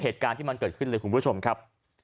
ที่มันเกิดขึ้นเลยคุณผู้ชมครับ